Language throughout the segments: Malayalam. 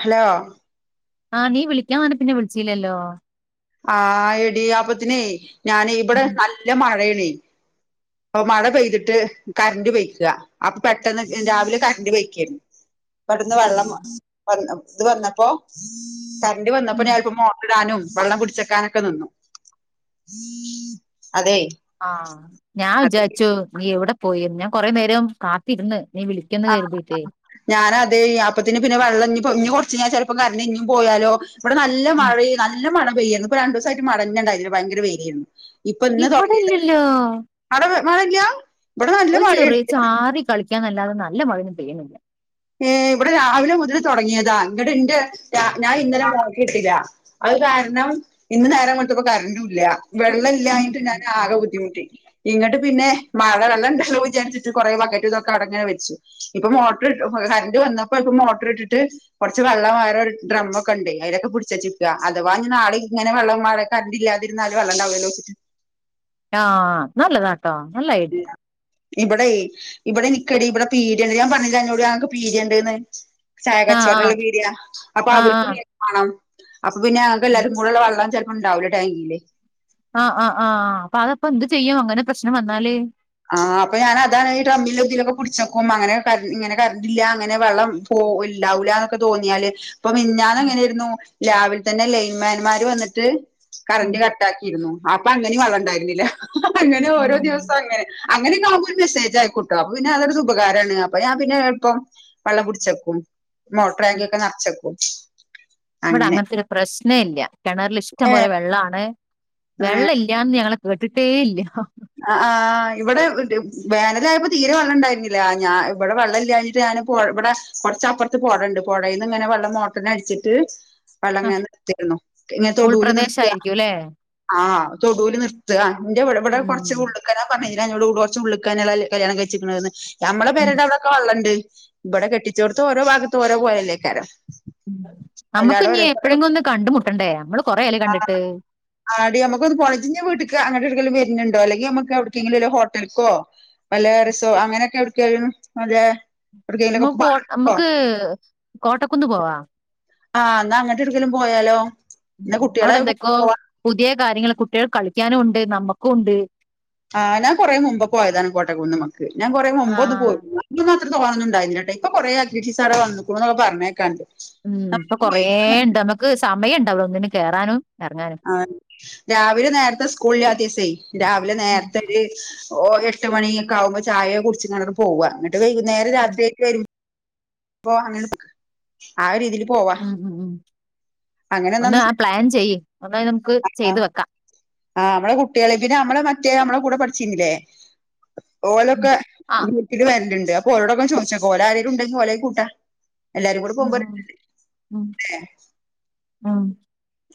ഹലോ ആഹ് നീ വിളിക്കാൻ അനെ പിന്നെ വിളിച്ചീല്ലല്ലോ ആ എടിയാപ്പത്തിനേ ഞാന ഇവിടെ ഉം നല്ല മഴണ അപ്പ മഴ പെയ്തിട്ട് കറണ്ട്റ് പെയക്കുക അപ്പൊ പെട്ടെന്ന് രാവിലെ കറണ്ട് പെയക്കരുന്നു ഉ പെട്ടന്ന് വെള്ളം വന്ന ഇത് വന്നപ്പോ തണ്ടി വന്നപ്പോ ഉം ഞപ്പോ മോട്ടടാനും വെള്ളം കുടിച്ചെക്കാനൊക്കെ നിന്നു അതെ ആഹ ഞാൻ വിചാരിച്ചു നീ എവിടെ പോയി ഞാൻ കൊറേ നേരം കാത്തിരുന്ന് നീ വിളിക്കുന്ന് ആ കരുതിയിട്ടേ ഞാന അതെ അപ്പത്തിന് പിന്നെ വെള്ളം ഇ ച ഞാൻ ചിലപ്പോ കര ഇഞ്ഞും പോയാലോ ഇവിടെ നല്ല ഉം മഴ നല്ല മഴ രുന്നു ഇപ്പൊ രണ്ടു ദിവസ ആട്ട് മടഞ്ഞണ്ടായിതില്ല ഭയങ്കര വരിയരുന്നു ഇപ്പൊ ഇന്ന് ഇവിടെ തുടങ്ങിയത് ഇല്ലല്ലോ അടവ് വഴങ്കോ ഒരു ചെറിയ ചാറി കളിക്കാൻല്ലാതെ നല്ല മഴും പേനില്ല ഏ ഇവിടെ രാവിലെ മുതൽ തുടങ്ങിയതാ ഇങ്ങട്ട ഇന്റെ ഞാൻ ഇന്നലെ വോക്കിയിട്ടില്ല അത് കാരണം ഇന്ന് നേരംങ്ങോട്ടപ്പോ കരണ്ട ഇല്ല വെള്ളം ഇല്ലായിട്ട് ഞാൻ ആകെ ബുദ്ധിമുട്ടി ഇങ്ങിട്ട് പിന്നെ മഴ വെള്ളം ഉണ്ടല്ലോ വിചാരീച്ചിട്ട് കുറെേ ബക്കറ്റ് ഇതൊക്കെ അടങ്ങനെച്ചു ഇപ്പൊ മോട്ടർ് കറണ്ട് വന്നപ്പോ ഇപ്പ മോട്ടർ ഇട്ടിട്ട് കൊറച്ച് വെള്ളം വയറ ഒരു ഡ്രം ഒക്കെ ഉണ്ട് അതിലൊക്കെ പിടിച്ചച്ചിപ്പാ അഥവാ ഞ നാളെ ഇങ്ങന വെള്ളം മാറ കറണ്ട്റല്ലാതിരാ വെള്ളണ്ടോിച്ചിട്ട് ആഹ് നല്ലതാട്ടോ നല്ലായിട്ടും ഇവിടെ ഇവിടെ നിക്കടി ഇവിടെ പീട്യണ്ട് ഞാൻ പറഞ്ഞില്ല അന്നോട് ങ്ങക്ക് പീട്യണ്ട്ന്ന് ചായ ആഹ് കച്ചവടമള്ള പീട്യ അപ്പൊ അവർക്കും ആഹ് വണം അപ്പൊ പിന്നെ ഞങ്ങക്ക് എല്ലാവരും കൂടെ ഉള്ള വെള്ളം ചിലപ്പോൾ ഉണ്ടാവില്ല ടാങ്കേ ആഹ് ആഹ് ആഹ് ആ അപ്പൊ അതപ്പോ എന്ത് ചെയ്യും അങ്ങനെ പ്രശ്നം വന്നാല് ആഹ് അപ്പൊ ഞാനതാണ് ഈ റമ്മിലും തിലൊക്കെ പുട്ച്ചക്കും. അങ്ങനെ കർ ഇങ്ങനെ കറണ്ടില്ല അങ്ങനെ വെള്ളം പോ ഇല്ലാവുല എന്നൊക്കെ തോന്നിയാല് ഇപ്പൊ മിഞ്ഞാന്ന് ഉം എങ്ങനൊയിരുന്നു ലാവ്ലെ തന്നെ ലൈൻമാൻമാർ വന്നിട്ട് കറന്റ് കട്ടാക്കിയിരുന്നു. അപ്പൊ അങ്ങനെ വള്ളം ഉണ്ടായിരുന്നില്ല അങ്ങനെ ഉം ഓരോ ദിവസം അങ്ങനെ അങ്ങനെക്ക ആവുമ്പൊ ഒരു മെസേജ് അയക്കൂട്ടൊ അപ്പ പിന്നെ അതൊരു ഉപകാരമാണ് അപ്പൊ ഞാൻ പിന്നെ ഇപ്പം വെള്ളം പിട് ച്ചക്കും. മോട്ടറ് ഉം. ടാങ്കി ഒക്കെ നർച്ചക്കും. ഇവിടെ അങ്ങൻത്തെ ഒരു പ്രശ്നം ഇല്ല കിണറിൽ ഇഷ്ടം പോലെ ഏഹ് വെള്ളാണ് വെള്ളം ഇല്ലന്ന് ഞങ്ങള് കേട്ടിട്ടേ ഇല്ല. ആ ആ ഇവിടെ വേനലയപ്പോ തീരെ വെള്ളം ഇണ്ടായിരുന്നില്ല. ഞാൻ ഇവിടെ വെള്ള ഇല്ലാഞ്ഞിട്ട് ഇവിടെ കൊറച്ചപ്പ്റത്ത് പൊഴണ്ട് പൊഴേന്ന് ഇങ്ങനെ വെള്ളം മോട്ടറിനടിച്ചിട്ട് വെള്ളം ങ്ങനെ നിർത്തിരുന്നു ഇങ്ങന തൊടുല് നിർത്ത ഉൾപ്രദേശായിരിക്കും അല്ലേ ആഹ് തൊടൂല് നിർത്ത ന്റെ ഇവടെ കൊർച്ച് ഉം ഉള്ള്ക്ക നാ പർഞ്ഞീലെ അന്നോട് കൊർച്ച് ഉള്ള് ക്കാ നന്നെ കല്യാണം കഴിച്ച് ക്ക്ണെന്ന് ഞമ്മളെ ഉം പേരെന്റെ അവിടെക്കെ വള്ളണ്ട് ഇബടെ കെട്ടിച്ചോടത്ത് ഓരോ ഭഗത്തും ഓരോ പോലല്ലേക്കാരോ നമ്മുക്ക് ഇനി എപ്പോഴെങ്കിലും ഒന്ന് കണ്ടുമുട്ടേണ്ടേ നമ്മള് കൊറെയായില്ലേ ആ കണ്ടിട്ട് ആടി നമുക്കൊന്ന് പോണം ജ്ജ് ന്ന് വീട്ട്ക്ക് അങ്ങട്ടെ ടക്കല്ലേ വ ര്ന്ണ്ടോ അല്ലെങ്കി നമ്മക്ക് എവിട് ക്കെങ്കിലും ഒരു ഹോട്ടൽക്കോ വല്ല റിസോ അങ്ങനെയൊക്കെ എവിട്ക്കേലും അതേ മ്മക്ക് നമ്മക്ക് കോട്ടക്കുന്ന് പോവാ ആഹ് ന്നാ അങ്ങട്ട് ഒട്ക്കേലും പോയാലോ ഉം ഇന്ന് കുട്ടികളെ അവിടെ എന്തൊക്കോ പോവാ പുതിയ കാര്യങ്ങള് കുട്ട്യേൾക്ക് കളിക്കാനും ഉണ്ട് നമ്മക്കും ഉണ്ട്. ആ ഞാൻ. കൊറേ മുമ്പ് പോയതാണ് കോട്ടകൂന്ന്മ്മക്ക് ഞാൻ കൊറെ മുമ്പൊന്ന് ആഹ് പോയി തോനെന്നുംണ്ടായില്ലാട്ടോ ഇപ്പ കൊറേ ആക്റ്റിവിറ്റീസൊക്കെ വന്നൂക്ക്ണ്ന്ന് പറഞ്ഞേക്കാണ്ട് ഉം ഇപ്പൊ കൊറേണ്ട് നമ്മക്ക് സമയംണ്ടാവ ഒന്നിനും കേറാനും എറങ്ങാനും ആ രാവിലെ നേരത്തെ സ്കൂൾ ലാത്തി സേ രാവിലെ ഉം നേരത്തെ ഒരു ഓ എട്ട് മണിയ ഒക്കെ ആവുമ്പോ ചായെ കുട്ച്ച്ക്കാണ്ട് ആണ്ട് പോവ ഇങ്ങട്ട് വൈകുന്നേരം ഉം രാത്രിയായിട്ട് വരു അപ്പൊ അങ്ങനെ ആ രീതിൽ പോവാ ഉം ഉം ഉം അങ്ങനെ ഒന്ന് ഒന്നന്ന് ആ പ്ലാൻ ചെയ് ഒന്നായി നമുക്ക് ചെയ്തു വെക്കാം ആ നമ്മളെ കുട്ടികള പിന്നെ നമ്മളെ മറ്റേ നമ്മളെ കൂടെ പഠിച്ചിന്നില്ലേ ഉം ഓലൊക്കെ ആഹ് ഗ്രൂപ്പില് വര്ല്ണ്ട്. അപ്പോ ഓരോടൊക്കെ ചോദിച്ചക്ക ഓല ആരേലും ഉണ്ടെങ്കി ഓല കൂട്ടാ എല്ലാരും കൂടെ ഉം പോകുമ്പോ ഉം ഉം ല്ലേ ഉം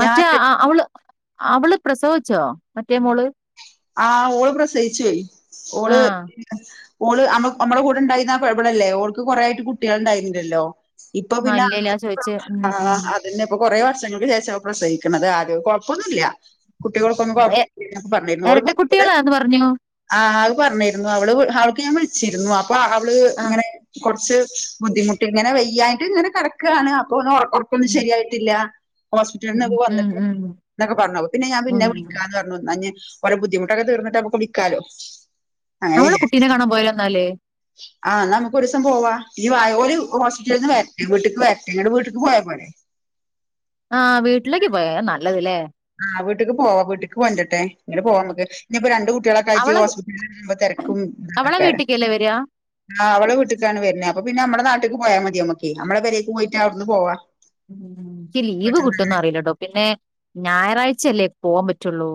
മറ്റേ അവള് അവള് പ്രസവിച്ചോ മറ്റേ മോള് ആ ഓള് പ്രസവിച്ചൊയ് ഓള് ആഹ് ഓള് മ്മ അമ്മളെ കൂടെ ഇണ്ടായിര് ന്ന ആ ബളല്ലേ ഓൾക്ക് കൊറേ ആയ് ട്ട് കുട്ടിയൾ ഉണ്ടായിരുന്നില്ലല്ലോ ഇപ്പൊ പിന്നെ നല്ലില്ല ചോയിച്ചേ ഉം ഉം അതന്നെപ്പ കൊറേ വർഷങ്ങൾക്ക് ശേഷ പ്രസവിക്ക്ണത്. ആദ്യ കൊഴപ്പൊന്നുമല്ല. കുട്ടിയ ൾക്കൊന്നും കൊഴപ്പില്ല എരട്ട കുട്ടികളാന്ന് പറഞ്ഞു ആ അത് പറഞ്ഞിരുന്നു അവള് അവൾക്ക് ഞാൻ വിളിച്ചിരുന്നു അപ്പൊ അവള് ആഹ് ഇങ്ങനെ കൊർച്ച് ബുദ്ധിമുട്ട് ഇങ്ങനെ വെയ്യായിട്ട് ഇങ്ങനെ കകടക്കാണ്. അപ്പോ ഒന്ന് ഓർക്കൊന്നും ഉം ശരിയായിട്ടില്ല ഉം ഹോസ്പിറ്റൽന്നൊക്ക ഉം വന്നിട്ട് ഉം എന്നൊക്കെ പറഞ്ഞോ പിന്നെ ഞാൻ ഉം പിന്നെ ഉം. വിളിക്കാന്ന് പറഞ്ഞു ന്നാഞ്ഞ് ഓളെ ബുദ്ധിമുട്ടൊക്കെ തീർന്നിട്ട് നമ്മക്ക് വിളിക്കാലോ അങ്ങനെ അവളെ കുട്ടീനെ കാണാൻ പോയലോന്നാല് ആ ന്നാ മ്മക്ക് ഒരൂസം പോവാ ഈ വായോ ഒരു ഹോസ്പിറ്റലിൽ നിന്ന് വര്ട്ടെ വീട്ട്ക്ക് വ ങ്ങട്ട് വീട്ട്ക്ക് പോയ പോരെ ആ വീട്ടിലേക്ക് പോയ അത്‌ നല്ലത് ലെ ആ വീട്ട്ക്ക് പോവാ വീട്ട്ക്ക് കൊണ്ടട്ടെ ഇങ്ങനെ പോവാ മ്മക്ക് ഇനിപ്പ രണ്ട് കുട്ടിളൊക്കയിട്ട് അവളെ ഹോസ്പിറ്റലിൽ തെര്ക്കും അവളെ ഇക്കാെക്കെരം. വീട്ടിക്കല്ലേ വരാ ആഹ് അവളെ വീട്ട്ക്കാണ് വരുന്നെ. അപ്പൊ പിന്നെ നമ്മളെ നാട്ട്ക്ക് പോയാ മതി നമ്മക്കേ നമ്മളെ പെരേക്ക് പോയിട്ടവിടുന്ന് പോവാ. ഇനിക്ക് ലീവ് കിട്ടുംന്ന് വീട്ട്ന്നങ്ങനെ അറിയില്ലടൊ പിന്നെ ഞായറാഴ്ചല്ലേ പോവാ പറ്റുള്ളൂ.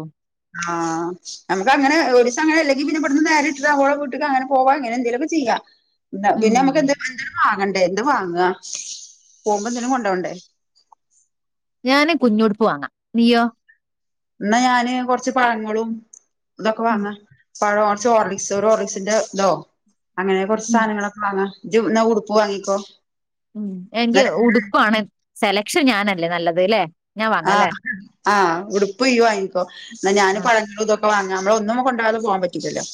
ആഹ് നമുക്കങ്ങനെ ഒരിസങ്ങനെല്ലെങ്കി പിന്നെ ബടുന്ന് നേരിട്ട്ഓളെ വീട്ടക്കങ്ങനെ പോവാ അങ്ങനെന്തെല ചെയ്യ ഉം പിന്നെമുക്ക് എന്ത് ന്തേലും വാങ്ങ എന്ത് വാങ്ങ പോകുമ്പോന്തേലും കൊണ്ടോണ്ടേ? നിയൊ? ഇന്നാ ഞാന് കൊറച്ച് പഴങ്ങളും ഇതൊക്കെ ഉം വാങ്ങാ. പഴം കുറച്ച് ഓറിലിക്സ് ഒരു ഓറർലിക്സിന്റെ ഇതോ അങ്ങനെ കുറച്ച് സാധങ്ങളൊക്കെ വാങ്ങ. മ് എനിക്ക് ന്ന ഉടുപ്പാണ് സെ പക്ഷേ ഞാനല്ലേ നല്ലത് ല്ലെ? ആഹ ആഹ് ഉടുപ്പ് ഇയ്യ് വാങ്ങിക്കോ ന്ന ഞാന് ആ പഴങ്ങള് ഇതൊക്കെ വാങ്ങ. നമ്മളൊന്നും കൊണ്ടാകാതെ പോകാൻ പറ്റില്ലല്ലോ.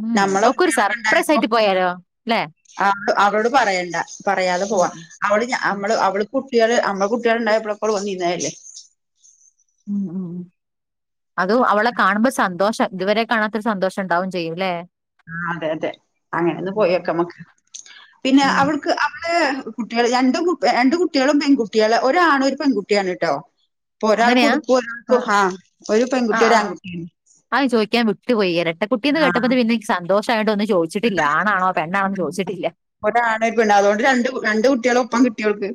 ഉം ഒക്കൊരു സർപ്രൈസയിട്ട് പോയാലോ ല്ലെ? ആഹ് അവളോട് പറയണ്ട ഉം പറയാതെപോവാ ഉം അവള് ഉം ഞാമ്മള് അവള് കുട്ടികള് നമ്മേ കുട്ടികളണ്ടായപ്പോളക്കോള് വന്നീന്നല്ലേ. മ് മ് അത് അവളെ കാണുമ്പോ സന്തോഷം ഇതുവരെ കാണാത്തൊരു സന്തോഷം ഇണ്ടാവും ചെയ്യും ല്ലെ? ആ അതെ അതെ അങ്ങനൊന്ന് പോയൊക്കെമ്മക്ക് പിന്നെ ഉം അവൾക്ക് ആ കുട്ടികൾ രണ്ടു രണ്ടു കുട്ടികളും പെൺകുട്ടികള് ഒരാണും ഒരു പെൺകുട്ടിയാണ് ട്ടോ. ഇപ്പൊ ഒരാൾക്ക് അങ്ങനെയാ ഉടുക്കും ഒരാൾക്ക് ആഹ് ഹാ ഒരു പെൺകുട്ടിം ആഹ് ഒരു ആഹ് ആൺകുട്ടിം. കുട്ടീന്ന് കേട്ടപ്പോപിന്നെ സന്തോഷയോണ്ടുന്ന് ചോദിച്ചിട്ടില്ല ആാണാണോ പെണ്ണാണോന്ന്. ചോദിച്ചിട്ടില്ല ഒരാണും ഒരു പെണ്ണും അതൊണ്ട് രണ്ട് രണ്ട് കുട്ടികളോപ്പം കിട്ടിയോൾക്ക്.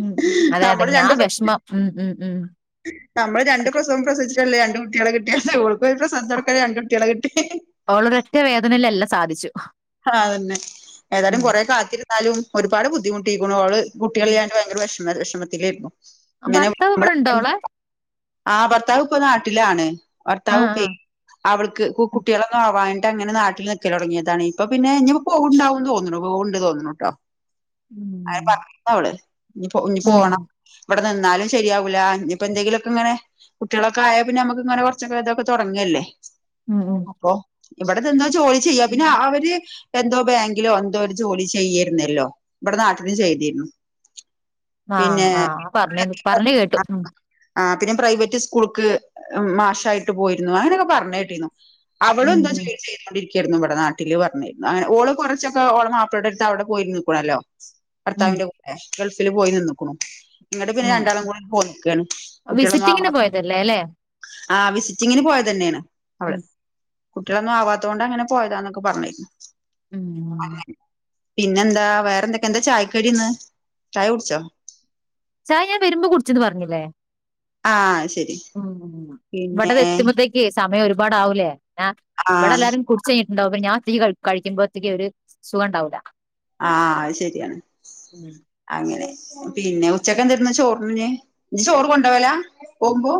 ഉം അതെ തെ നമ്മള് ആ രണ്ട് പ്ര വിഷമം മ് മ് മ്. നമ്മള് രണ്ട് പ്രസവം പ്രസിച്ചിട്ടല്ലേ രണ്ട് കുട്ടികളെ കിട്ടിയ ഓൾ ഒരു പ്രസവത്തോടെ രണ്ടുട്ട്യാളെ കിട്ടി. ഓളൊരൊറ്റ വേദനയിൽ എല്ലാം സാധിച്ചു. ആതന്നെ ഏതായാലും ഉം കുറെ കാത്തിരുന്നാലും ഒരുപാട് ബുദ്ധിമുട്ടിക്ക്ണോള്. ഉം കുട്ടികളില്ലാണ്ട് ഭയങ്കര വിഷമ വിഷമത്തിലയ്രുന്നു. ഭർത്താവ് ബടെ ണ്ടോളെ? ആ ഭർത്താാവ് ഇപ്പ നാട്ടിലാണ് ആഹ് ഭർത്താവ്പ്പ ആഹ് അവൾക്ക് കു കു ഉം കുട്ടികളൊന്നും ആവായ് അങ്ങനെ നാട്ടിൽ നിൽക്കലൊട്ങ്ങിയതാണ് ഇപ്പൊ പിന്നെ ഇനി പോകുണ്ടാവുംന്ന് തോന്നണു പോവ്ണ്ട് തോന്നണുട്ടോ. ആ പറഞ്ഞണ് ഓള് ഇഞ് ഉം പോണം ഉം ഇവടെ നിന്നാലും ശരിയാവൂല ഇനിയിപ്പന്തെങ്കിലൊക്കെ ഇങ്ങനെ കുട്ടികളൊക്കെ ആയാ പിന്നെ നമക്ക്ങ്ങനെ കുറച്ചൊക്കെതൊക്കെ തുടങ്ങല്ലേ. ഉം അപ്പൊ ഇവിടെ ദേന്താ ജോലി ചെയ്യാ പിന്നെ ഉം അവര് എന്തോ ബാങ്കിലോ എന്തോ ഒരു ജോലി ചെയ്യരുന്നല്ലോ ഇബടെ നാട്ടിലും ചെയ്തിരുന്നു. ആഹ് പിന്നെ ആഹ് പറഞ്ഞത് പറഞ്ഞ് കേട്ടു ഉം ആ പിന്നെ പ്രൈവറ്റ് സ്കൂൾക്ക് മാഷായിട്ട് പോയിരുന്നു അങ്ങനൊക്കെ പറഞ്ഞേട്ടിരുന്നു. അവളും ഉം ന്തോ ജോലി ചെയ്തുകൊണ്ടിരിക്കയിരുന്നു ഇവടെ നാട്ടില്. അങ്ങെ ഓള് കുറേച്ചൊക്കെ ഓള മാപ്പ്ളടെടുത്ത് അവിടെ പോയിര് ന്ന്ക്കണല്ലോ ഉം ഭർത്താവിന്റെ കൂടെ. ഗൾഫില് പോയി നിന്ന്ക്ക്ണു. ങ്ങട്ട് പിന്നെ ഉം രണ്ടാളും കൂടെങ്ങട്ട് പോന്ന്ക്കാണ് ഉം വിസിറ്റിങ്ങിന് കുട്ടികളൊന്നാവാത്തൊണ്ട്. പോയതല്ലേ അല്ലെ ആ വിസിറ്റിങ്ങിന് പോയതന്നെണ് ഉം അവള് കുട്ടികളൊന്നും ആവാത്തൊണ്ടങ്ങനെ പോയതാന്നൊക്കെ പറഞ്ഞിരുന്നു. മ്. പിന്നെന്താ വേറെന്തൊക്കെന്താ ചായക്കടിന്ന് ചായ കുടിച്ചോ? ചായ ഞാൻ വരുമ്പോ കുടിച്ചന്ന് പറഞ്ഞില്ലേ? ആ ശ ഉം ഇവിടത് എത്തുമ്പോത്തേക്ക് സമയം ഒരുപാട ആാവൂലേ ആ ഇവിടെ എല്ലാരും കുടിച്ച് കഴഞ്ഞിട്ടുണ്ടാവ അപ്പൊ ഞാൻ ടി ക കഴിക്കുമ്പോഴത്തേക്ക് ഒരു സുഗം ഉണ്ടാവില്ല ആഹ അത് ശരിയാണ് അങ്ങനെ പിന്നെ ഉച്ചക്കെ എന്തന്ന് ചോറിന് ചോറ് കൊണ്ട പോവലാ പോകുമ്പോ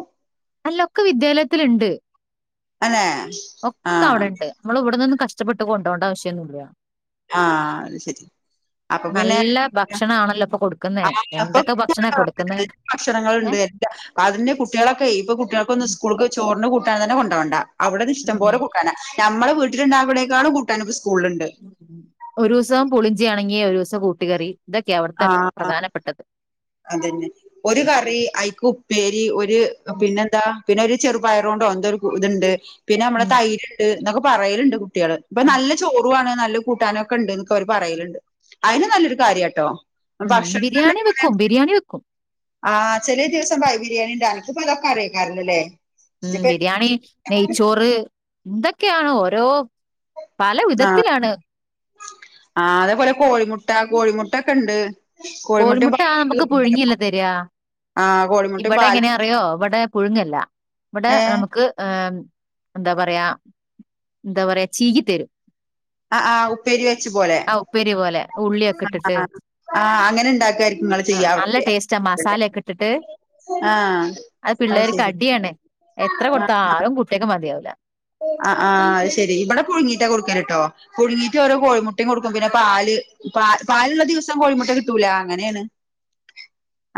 അല്ലൊക്കെ വിദ്യാലയത്തിലുണ്ട് അല്ലെ ഒക്കെ അവിടെണ്ട് നമ്മൾ ഇവിടന്നൊന്നും കഷ്ടപ്പെട്ട് കൊണ്ടപോണ്ട ആവശ്യൊന്നില്ല ആ അത് ശരി അപ്പൊ പിന്നെ നല്ല ഭക്ഷണാണല്ലോ ഇപ്പൊ കൊടുക്കുന്നേ ആപ്പൊന്ന എന്തൊക്കെ ഭക്ഷണാ കൊടുക്കുന്നേ ഭക്ഷണങ്ങൾണ്ട് ഏഹ് അതിന്റെ കുട്ടികളൊക്കെ ഇപ്പൊ കുട്ടികൾക്കൊ സ്കൂൾ ചോറി ട്ടൻ തന്നെ കൊണ്ടോണ്ട അവിട ഇഷ്ടം ഉം പോലെ കൂട്ടാണ് നമ്മ വീട്ടുണ്ടവിടേക്കാണ് കൂട്ടൻ സ്കൂളുണ്ട് ഒരു ദിവസം പുളിഞ്ിാണങ്ങിയേ ഒരു ദിവസം കൂട്ട കറി ആ അതന്നെ ഒരു കറി അഴിക് ക് ഉപ്പേരി ഒരു രു ഉം പിന്നെന്താ പിന്നെ ഒരു ചെറുപയറ കൊണ്ട്ോ എന്തോ ഇതുണ്ട് പിന്നെ നമ്മള ഉം തൈരുണ്ട് എന്നൊക്കെ പറയലുണ്ട് കുട്ടികള് ഇപ്പ ആ. നല്ല ചോറുവാണ് ന കൂട്ടാനൊക്കെ ഉണ്ട്ൊക്കെ അവര് പറയലണ്ട് അതിന് നല്ലൊരു കാര്യംാട്ടോ ഉം ബിരിയാണി വെക്കും ബിരിയാണി വെക്കും ആഹ് ചെിലിയ ദിവസം ഭൈ ബിരിയാണി ഉണ്ട അൻക്പ്പ ഇതൊക്കെ അറിയക്കാറില്ലല്ലേ ഉം ബിരിയാണി നെയ്ച്ചോറ് എന്തൊക്കെയാണ് ഓരോ പല വിധത്തിലാണ് ആ അതേപലെ കോഴിമുട്ട കോഴിമുട്ട ഒക്കെ ഇണ്ട് കോഴിമുട്ട ആ നമുക്ക് പുഴുങ്ങിയല്ല തരാ ആഹ് കോഴിമുട്ടിം ഇവിടെ എങ്ങനെ പാലും അറിയോ ഇവിടെ പുഴുങ്ങല്ല ഇവിടെ ഏഹ് നമുക്ക് ഏ എന്താ പറയാ എന്താ പറയാ ചീകിത്തരും ആ ആഹ് ഉപ്പേരി വെച്ച പോലെ ഉപ്പേരി പോലെ ഉള്ളിയൊക്കെ ഇട്ടിട്ട് ആ ആ അങ്ങനെ ഇണ്ടാക്കായിരിക്കും നിങ്ങ ആ, ചെയ്യാം നല്ല അവി- ടേസ്റ്റാ മസാലയൊക്കെ ഇട്ടിട്ട് ആഹ് അത് അ പിള്ളേർക്ക് ശരി അടിയാണ് എത്ര ആ കൊടുത്താലും കുട്ടികക്ക് മതിയാവൂല ആ ആഹ് ശരി ഇവിടെ പുഴുങ്ങീട്ട കൊടുക്കൽട്ടോ പുഴുങ്ങീട്ട ഓരോ കോഴിമുട്ടയും കൊടുക്കും പിന്നെ പാ പ പാലുള്ള ദിവസം കോഴിമുട്ട കിട്ടൂല അങ്ങനെയാണ്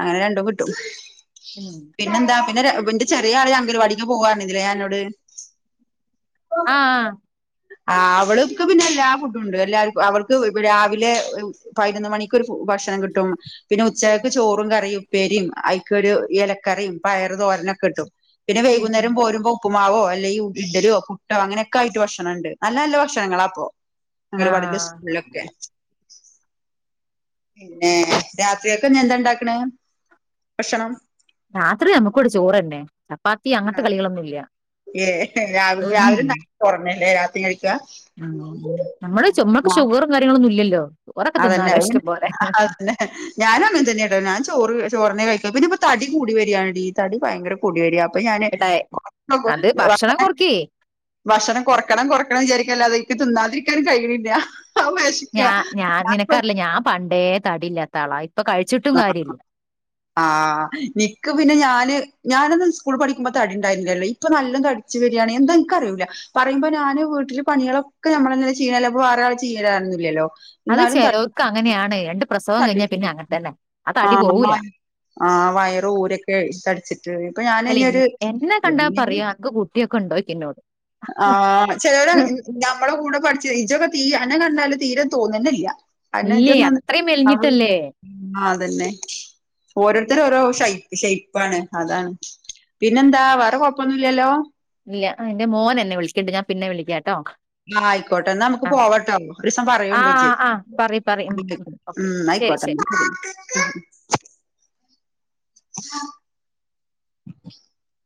അങ്ങനെ രണ്ടു കിട്ടും പിന്നെന്താ പിന്നെന്റെ ചെറിയ ആള അംഗൽവാടിക്ക് പോക ഇലേ അന്നോട് ആ ആ ആ അവൾക്ക് പിന്നെ എല്ലാ ഫുഡുണ്ട് എല്ലാവക്കും അവൾക്ക് രാവിലെ പതിനൊന്ന് മണിക്ക് ഒരു ഫു ഭക്ഷണം കിട്ടും പിന്നെ ഉച്ചക്ക് ചോറും കറിയും ഉപ്പേരിയും അഐക്കൊ ഒരു എലക്കറിയും പയറ് തോര ക്കെ കിട്ടും പിന്നെ ഉം ഉം വൈകുന്നേരം പോരുമ്പോ ഉപ്പുമാവോ അല്ലെങ്ക ഇഡലോ പുട്ടോ അങ്ങനെയൊക്കെ ആയിട്ട് ഭക്ഷണ ഇണ്ട് നല്ല നല്ല ഭക്ഷണങ്ങള അപ്പൊ അംഗൻവാടി ആഹ് സ്കൂളിലൊക്കെ [inaudible] പിന്നെ രാത്രിയൊക്കെ എന്താ ഇണ്ടാക്കണ ഭക്ഷണം രാത്രി നമ്മുക്കവിടെ ചോറ്ന്നെ ചപ്പാത്തി ആ അങ്ങനത്തെ കളികളൊന്നുംല്ല ഏ രാവിലെ ഉം ഉം രാവിലെ ണ്ടാക്കിയ ചോറന്നല്ലേ രാത്രിയും കഴിക്ക ഉം നമ്മടെ നമ്മക്ക് ഷുഗറും കാര്യങ്ങളൊന്നും ഇല്ലല്ലോ ചോറൊക്കെ അതന്നെ തിന്നാലോ ഇഷ്ടം പോലെ അഹ് അന്നെ ഞാനും അങ്ങൻ തന്നെ കേട്ടോ ഞാൻ ചോറ് ചോറിനെ കഴ ക ഇപ്പൊ തടി കൂടി വരികാണ്ീ തടി ഭയങ്കര കൂടി വരിയാ അപ്പൊ ഞാന്ോ എടേ അത് ഭക്ഷണം കൊറക്കേ ഭക്ഷണം കൊറക്കണം കൊറക്കണം വിചാരിക്കല്ലതെ തിന്നാതിരിക്കാൻ കഴിയണില്ല വശിക്ക നിനക്കാറല്ല ഞാൻ പണ്ടേ തടി ഇല്ലാത്ത ആളാ ഇപ്പൊ കഴിച്ചിട്ടും ആ കാര്യല്ല ആ നിക്ക് പിന്നെ ഞാന് ഞാനൊന്നും സ്കൂൾ പഠിക്കുമ്പോ തടി ഇണ്ടരുന്നില്ലല്ലോ ഇൊ നല്ലും തടിച്ചു വരിയാണ എന്ത എനിക്ക അറില്ല പറയ്പോ ഞാന് വീട്ടില് പണിയളോക്കെ നമ്മളെ ചെയ്യ വേരാൾ ചെയ്യാറൊന്നില്ലല്ലോ അത് ചെിലോൽക്ക് അങ്ങനെയാണ് രണ്ട് പ്രസവം തടി കഴിഞ്ഞാ പിന്നെ അങ്ങനത്തല്ലെ അത് തടി ആഹ് പോവൂല ആ വയറ് ഊരൊക്കെ തടിച്ചിട്ട് ഇപ്പൊ അല്ല ഞാനരു ഇൻ- ഉണ്ടോയിക്കന്നോട് ആ ചിലര നമ്മളെ കൂടെ പഠിച്ച ഇച്ചൊക്കെ തീ അന്നെ കണ് നാലും തീരെ തോന്നോന്നില്ല [unintelligible] ഇ ഇല്ലേ അത്രയും അവള് മെലിഞ്ഞിട്ടല്ലേ ആ അതന്നെ ഓരോരുത്തരും ഓരോ ശൈ ക്ഷെ ഇപ്പാണ് അതാണ് പിന്നെന്താ വേറെ കൊഴപ്പൊന്നുംല്ലല്ലോ. ഇല്ല ആ എന്റെ മോൻ എന്നെ വിളിക്കട്ടണ്ട്. ഞാൻപിന്നൊ വിളിക്ക ആഹ ആയിക്കോട്ടൊ നമുക്ക് പോവട്ടോ ഒരിസം ആ പറയണ്ട് ആ ചച്ചി. ആ പറി പറി ഉം ഉം ഓക്കെ ഉം ശരി ആയിക്കട്ട. ശരി ആ